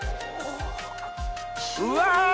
うわ！